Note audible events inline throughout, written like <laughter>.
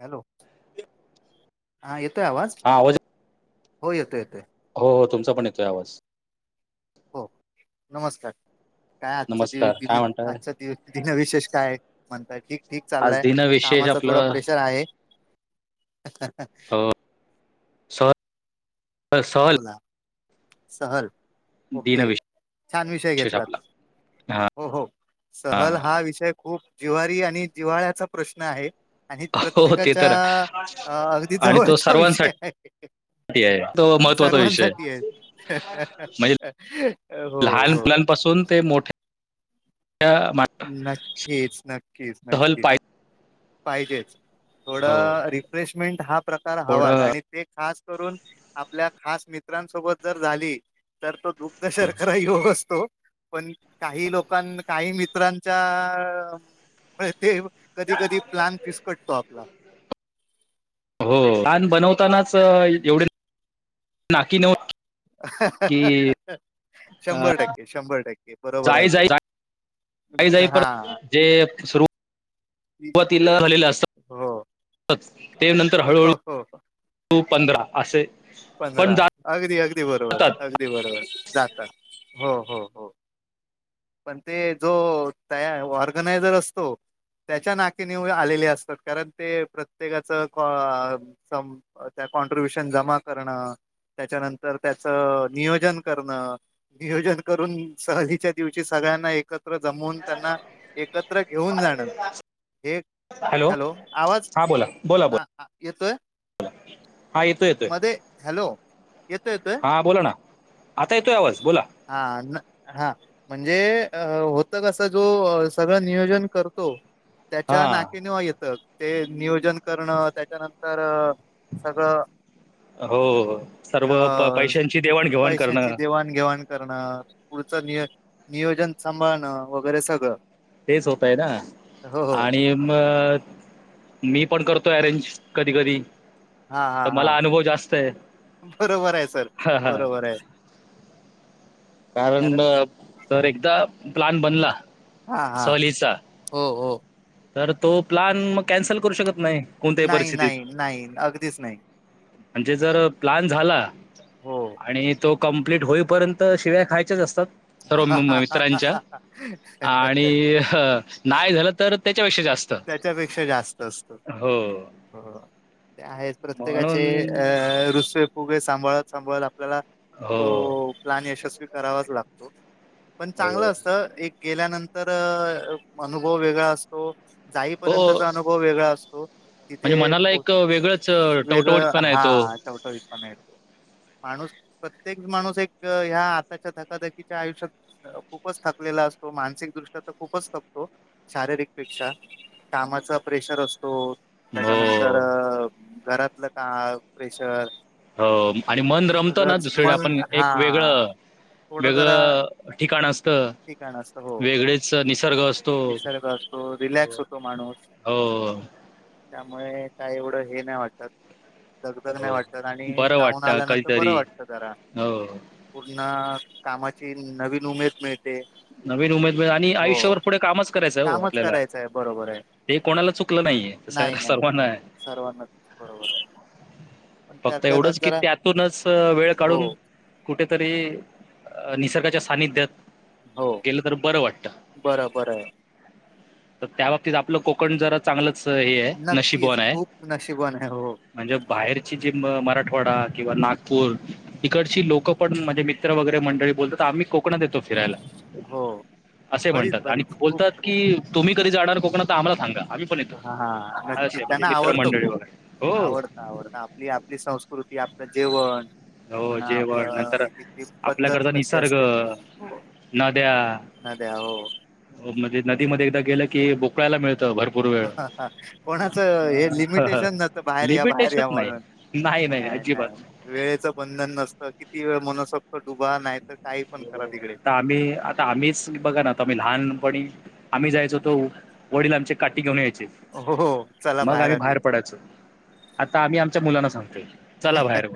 Hello, हा येतोय आवाज? हो येतोय, येतोय. हो, हो तुमचा पण येतोय आवाज. हो नमस्कार काय आजचा नमस्कार काय <unintelligible> म्हणताय आजच्या दिवस दिनविशेष काय म्हणताय, ठीक-ठीक आज चाललाय दिनविशेष कामाचा थोडा आपलं प्रेशर आहे. <unintelligible> हो सॉल, आ सॉल. ह सहल ओके दिनविशेष छान विषय घेतला आपला हा हो हो सहल हा विषय खूप जिवारी आणि जिवा्हाळ्याचा प्रश्न आहे. आणि हो ते तर प्रत्येकाच्या आहे. अगदी आणि तो जवळचा विषय सर्वांसाठी आहे. तो महत्वाचा विषय सर्वांसाठी आहे म्ह हो लहान हो मुलांपासून ते मोठ्या नक्कीच नक्कीच सहल नक्कीच पाय पाहिजेच थोड हो रिफ्रेशमेंट हा प्रकार हवा थोडं आणि ते खास करून आपल्या खास मित्रांसोबत जर झाली तर तो दुग्ध शर्खराही योग असतो, पण काही लोकां काही मी मित्राच्या मुळे तो कधी कधी प्लॅन फिस्कटतो आपला. हो प्लॅन बनवतानाच एवढे नाकी नव अ, शंभर टक्के, शंभर टक्के. बरोबर आहे जाई ते. जाई जाई जाई हा परत ते सुरू सुरुवातीला झालेले हो असत ते नंतर हळूहळू हो हो टू पंधरा असे पंधरा पण जा अगदी अगदी बरोबर जातात अगदी बरोबर जातात हो हो हो पण ते जो तया ऑर्गनायझर असतो त्याच्या नाकी नऊ आलेली असतात कारण ते प्रत्येकाच त्या कॉन्ट्र्रीब्युशन जमा करणं त्याच्यानंतर त्याचं नियोजन करणं नियोजन करून सहलीच्या दिवशी सगळ्यांना एक एकत्र जमवून त्यांना एकत्र घेऊन जाणं हे हॅलो आवाज हा बोला बोला हा बोला येतोय. <inaudible> हा येतोय येतोय मध्ये हॅलो येतोय येतोय हा बोला ना आता येतोय आवाज बोला हा हा म्हणजे अ होत कसं जो सगळं नियोजन करतो, हा त्याच्या नाकीनऊ येतं ते नियोजन करणं त्याच्यानंतर सगळं हो सर्व प पैशांची देवाण- घेवाण करणं घेवाण करणं पुढचं नि नियोजन सांभाळणं वगैरे सगळं तेच होत आहे ना हो हो आणि मग मी पण करतोय अरेंज कधी कधी हा हा तर हा मला अनुभव जास्त आहे बरोबर आहे सर हा हा बरोबर आहे कारण तर एकदा प्लन बनला हा हा सहलीचा हो हो तर तो प्लान मग कॅन्सल करू शकत नाही. कोणत्याही नाही परिस्थितीत नाही नाही अगदीच नाही. म्हणजे जर प्लान झाला हो आणि तो कंप्लीट होईपर्यंत तर शिव्या खायच्याच असतात सर्व मित्रांच्या आणि नाही झालं तर त्याच्यापेक्षा जास्त त्याच्यापेक्षा जास्त असतं हो हो ते आहे प्रत्येकाचे म्हणून अ रुसवे सांभाळत सांभाळत आपल्याला तो हो, प्लॅन यशस्वी करावाच लागतो. पण हो. चांगलं असतं एक गेल्यानंतर अनुभव वेगळा असतो, हो, जाईपर्यंतचा अनुभव वेगळा असतो. म्हणजे तिथे मनाला पो एक वेगळंच अ, वेगळं टवटवीतपणा हा येतो. टवटवीत पणा येतो. माणूस प्रत्येक माणूस एक ह्या आताच्या धकाधकीच्या आयुष्यात खूपच थकलेला असतो. मानसिक दृष्ट्या तर खूपच थकतो. शारीरिक पेक्षा. कामाचा प्रेशर असतो. हो, त्याच्यानंतर घरातलं का प्रेशर. हो आणि मन रमतं ना, सगळंच दुसरकडे मन आपण हा एक वेगळं थोडं जरा वेगळं ठिकाण असतं. ठिकाण असत, हो. वेगळेच निसर्ग असतो. निसर्ग असतो. रिलॅक्स होतो माणूस. हो, त्यामुळे काय एवढं हे नाही वाटत. दगदग नाही हो. वाटत. आणि बरं जाऊन वाटतं आल्यानंतर बरं कधीतरी. वाटत जरा. हो. पून्हा कामाची नवीन उमेद मिळते. नवीन उमेद मिळे, आणि हो आयुष्याभर पुढे कामच करायचं हो, कामच आपल्याला. करायचं आहे बरोबर आहे ते कोणाला चुकलं नाहीये. स नाही नाही नाही सर्वांनाय. सर्वांनाच बरोबर आहे पण फक्त त्यातल्या त्यात एवढंच की, जरा त्यातूनच वेळ हो काढून कुठेतरी निसर्गाच्या सानिध्यात. हो गेलं तर बर वाटत. बरं बरं आहे तर त्या बाबतीत आपलं कोक कोकण जरा चांगलंच हे ये. नक्कीच नशिबवाणे. खूप नशीबवान आहे हो म्हणजे बाहेरची जी मराठवाडा किंवा नागपूर तिकडची लोक पण म्हणजे मित्र वगैरे मंडळी बोलतात. आम्ही कोकणात येतो फिरायला. हो. असे बरीच म्हणतात. आणि बरीच खूप बोलतात खूप की तुम्ही कधी जाणार कोकणात तर आम्हाला सांगा. आम्ही पण येतो. हा हा नक्की असे म्हणजे मित्र मंडळी वगैरे. हो. आवडन. आपली आपली संस्कृती आपलं जेवण. हो पण जेवण आपलं नंतर इथली पद्धत आपल्याकडचा तशी निसर्ग असते ती. हो. नद्या नद्या हो. म्हणजे नदीमध्ये एकदा गेलं की, बोकळायला मिळतं. भर कोणाचं हे लिमिटेशन नसतं. बाहेर या, बाहेर लिमिटेशच या नाही. म्हणून. नाही नाही अजिबात. वेळेचं बंधन नसतं. किती वेळ मनसोक्त डुबा, नाही त त आम्ही आता आम्हीच बघा ना, आम्ही लहान पणी आम्ही जायचो तो वडील आमची काठी घेऊन यायचे. हो चला मग आम्ही आधी बाहेर पडायचो. आता आम्ही आमच्या मुलांना सांगतोय. चला बाहेर.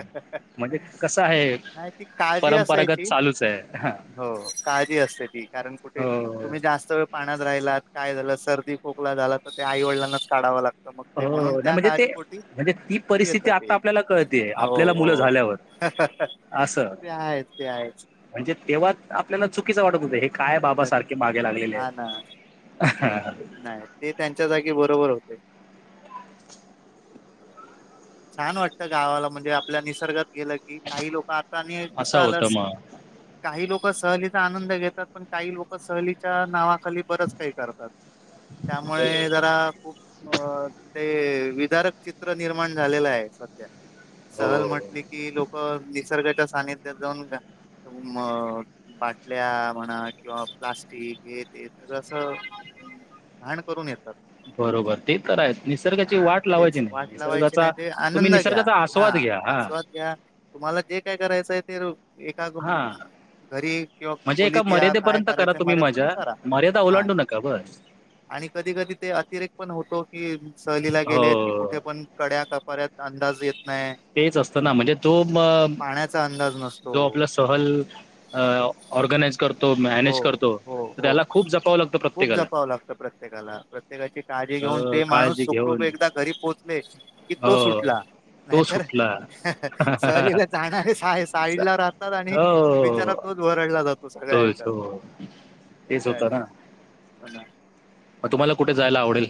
म्हणजे कसं हाये. नाही ती काळजी रंपरागत असायची चालूच आहे. हो काळजी असते ती. कारण कुठे हो. तुम्ही जास्त वेळ पाण्यात राहिलात. काय झालं. सर्दी खोकला झाला तर ते आई वडलांनाच काढावं लागत. हो नाही म्हणजे ते म्हणजे ती परिस्थिती येतं ते आता आपल्याला कळते. हो हो. असं. ते हायेच ते हायेच. म्हणजे तेव्हा आपल्याला चुकीचं वाटत होतं. हे काय बाबा नक्की. सारखे मागे लागलेलेयत. हा ना <unintelligible> नाही ते त्यांच्या जागी बरोबर होते. छान वाटतं गावाला. म्हणजे आपल्या निसर्गात गेलं की, काही लोक आता आणि असं होतं संहलंस मग काही लोक सहलीचा आनंद घेतात. पण काही लोक सहलीच्या नावाखाली बरच काही करतात, हो त्यामुळे जरा खूप अं ते विदारक चित्र निर्माण झालेलं आहे सध्या. सहल हो म्हटली कि लोक निसर्गाच्या सानिध्यात जाऊन येत्या म अ बाटल्या म्हणा किंवा प्लास्टिक हे ते सगळं असं घाण करून येतात. बरोबर ते खरयं निसर्गाची वाट लावायची नही, निसर्गाचा म्हणजे तुम्ही आनंद घ्या, निसर्गाचा हा आस्वाद घ्या हा आस्वाद घ्या तुम्हाला जे काय करायचंय ते एका हा म घरी किंवा म्हणजे एका खोलीत या काय मर्यादेपर्यंत करा करायचं तुम्ही मर्याद पण ना मजा करा, मर्यादा हा. ओलांडू नका बस आणि कधी -कधी ते अतिरेक पण होतो कि सहलीला गेले, की हो कुठे पण कड्या का परत अंदाज येत नाही. तेच असतं ना म्हणजे तो मं पाण्याचा अंदाज नसतो. जो आपला अल अं ऑर्गनाइज करतो हो मॅनेज करतो, हो हो त्याला खूप जपावं लागत खूप प्रत्येकाला. जपावं लागतं प्रत्येकाला. प्रत्येकाची काळजी अ, घेऊन, ते माणूस काळजी सुखरूप घेऊन एकदा घरी पोहोचले की तो हो सुटला. तो नाहीतर अं सुटला हं, ह सहलीला जाणारे सा -साय साईडला राहतात आणि हो विचारात तोच वरडला जातो सगळ्या ह्याच्या तोच हो तेच होतं ना हो ना. म तुम्हाला कुठे जायला आवडेल?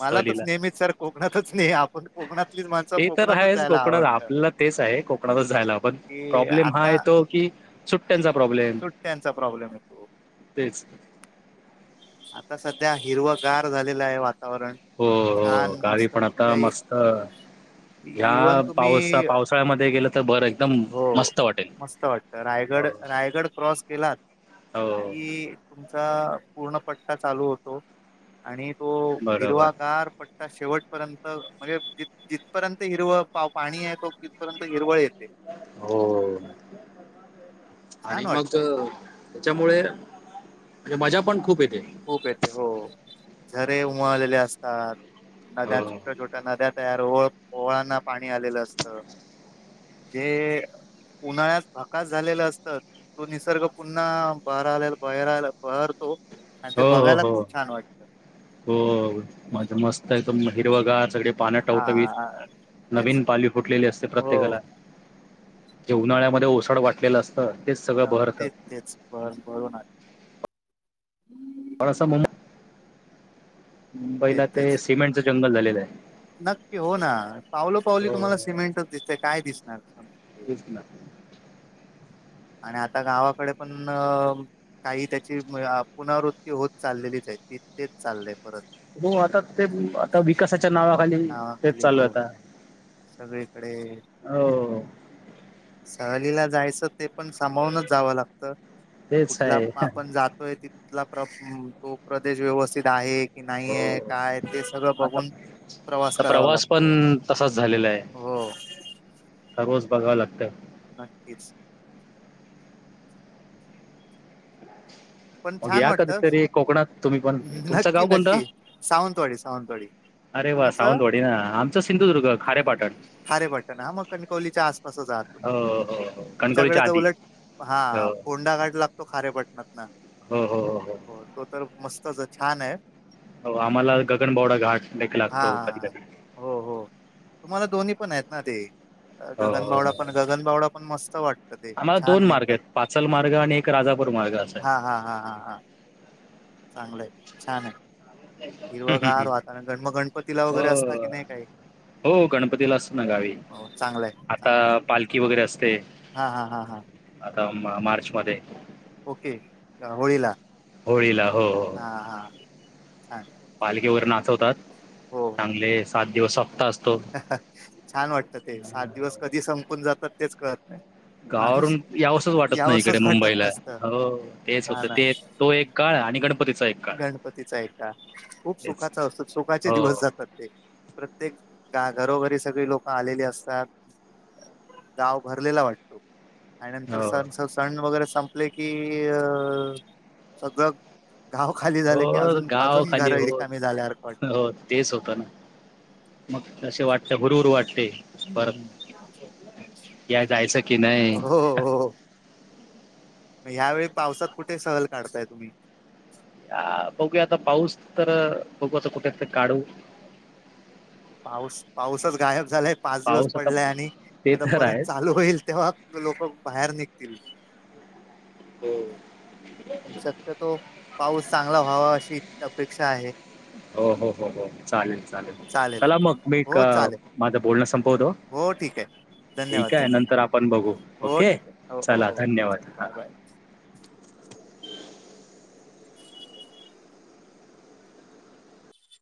मला तसं सहलीला तरच नेहमीच सर कोकणातच नाही आपण कोकणातलीच माणसं ते तर कोकणातच आहेच जायला कोकणात आवडतं आपल्याला तेच आहे, कोकणातच जायला पण की प्रॉब्लेम हा आता आहे तो कि सुट्ट्यांचा प्रॉब्लेम, सुट्ट्यांचा प्रॉब्लेम येतो तेच आता सध्या हिरवगार झालेलं आहे वातावरण. हो, हो छान गावी मस्त पण आता कुठल्याही मस्त इव्हन ह्या पावसा, तुम्ही पावसाळ्यामध्ये गेलं तर बरं एकदम मस्त वाटेल. त हो रायगड, रायगड क्रॉस केला हो की तुमचा पूर्ण पट्टा चालू होतो. आणि तो बरोबर हिरवा गार पट्टा शेवटपर्यंत म्हणजे जि जिथपर्यंत हिरवळ पा- पाणी आहे त तिथपर्यंत हिरवळ ये ते. हो छान आणि मग वाटतं ज त्याच्यामुळे म्हणे मजा पण खूप येते. खूप येते हो, झरे उमळलेले असतात हो नद्या छोट्या, छोट्या त्या नद्या तयार ओळ, ओळांना पाणी आलेलं असत जे उन्हाळ्यात भाकास झालेलं असतं, तो निसर्ग पुन्हा बारावीला, बहेराला बहरतो आणि ते हो हो बघायला हो खूप छान वाटतं. हो म्हणजे मस्त एकदम हिरवगार सगळे पान हा टवटवीत तेच नवीन पालवी फुटलेली असते हो प्रत्येकाला. जे उन्हाळ्यामध्ये ओसाड वाटलेलं असतं ते स ते, तेच बस बर ना असं म्हणू तेच पहिला तेच ते सिमेंटचं जंगल झा नक्की हो ना, पावलं- पावली हो तुम्हाला सिमेंटच दिसते काय दिसणार सागं? तेच ना. आण आता गावाकडे पण अं काही त्याची पुनवृत्ती होत चाललेलीच आहे. ती तेच चाललंय परत. हो आता तेच आता विकासाच्या नावाखाली तेच नावाखाली चालू हो आहे. आता सगळीकडे हो <inaudible> सहलीला जायचं ते पण सांभाळूनच जावं लागतं. <inaudible> तीथं तेच कुठला आहे आपण जातोय तिथं- तिथला प्र तो प्रदेश व्यवस्थित आहे. नाही हो आहे काय ते सगळं बघून आता करावा प्रवास पण लागतो तसाच झालेला आहे. हो <inaudible> आता रोज बघाव लागतं. नक्कीच पण मग छान या वाटत कधीतरी कोकणात तुम्ही पण. तुमचं नक्की गाव कोणतं? नक्की सावंतवाडी सावंतवाडी <inaudible> अरे वा! तुमचं सावंतवाडी ना आमचं सिंधुदुर्ग खारेपाटण. खारेपटण हा मग कणकवलीच्या आसपासच आहात. हो तुम्ही हो हो तुमच्याकडे कणकवलीच्या तर आधी उलट हो हा फोंडा घाट लागतो खारेपटणात ना हम ह ह हो हो तो तर मस्तच हे छान आहे. हो आम्हाला गगनबावडा घाट लेट हा लागतो. कधी कधी हो हो तुम्हाला दोन्ही पण आहेत ना ते. हो हो गगनबावडा हो पण गगनबावडा पण मस्त वाटत ते आम्हाला दोन छान! मार्ग एकदम. आहेत पाचल मार्ग आणि एक राजापूर मार्ग असा आहे. हा हा हा हा चांगलंय छान आहे. हम्म, हम्म, हिरवागार हम्म. वातावरण पण मग गणपतीला वगैरे असता की नाही काही? हो गणपतीला असत ना गावी हो चांगलंय <inaudible> आता चांगलंय पालखी वगैरे असते. हा हा हा हा आता मार्च मध्ये. ओके होळीला होळीला हो हा हा छान पालखीवर नाचवतात. हो चांगले सात दिवस सपता असतो. छान वाटत ते अं, सात दिवस कधी संपून जातात तेच कळत नाही. माणूस गावावरून यावसच वाटत नाही. इकडे यावंसच वाटत मुंबईला नसतं हो तेच हा होत ना ते तो एक काळ आणि गणपतीचा एक काळ गणपतीचा ऐका खूप तेच सुखाचा असतो. खुप सुखाचे हो दिवस जातात. प्रत्येक प्रत्येक गा घरोघरी सगळी लोक आलेली असतात. गाव भरलेला वाटत. <inaudible> आणि नंतर हो सण सण वगैरे संपले की? अ सगळं गाव खाली हो झालं की अजून गाव अजून खाली घर होत रिकामी झाल्यासारखं वाटतं ते होत. तेच होत ना मग कसे वाटते? हुरहुर वाटते. हम्म परत हम् या जायचं की नाही? ह्यावेेळी पावसात कुठे सहल काढताय तुम्ही? अ बघूया आता? पाऊस तर बघू आता कुठे ते काढू? पाऊस पाऊसच गायब झालाय. पाच दिवस पाऊस आता पडलाय आणि ते आता तर परत आहेच चालू होईल तेव्हा? लोक बाहेर निघतील. हो पण शक्यतो पाऊस चांगला व्हावा अशी अपेक्षा आहे. हो हो हो हो, चालेल चालेल. चला मग मी हो क चालेल माझं बोलणं संपवतो. हो ठीक आहे धन्यवाद ठीक आहे धन्यवाद नंतर आपण बघू हो ओके, ठीक आहे हो हो चला हो धन्यवाद चालेल बाय हा. बाय